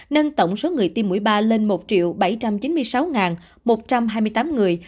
nâng tổng số người tiêm mũi ba lên một bảy trăm chín mươi sáu một trăm hai mươi tám người